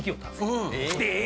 え！